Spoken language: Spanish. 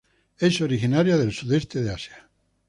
Es originaria del Sudeste de Asia.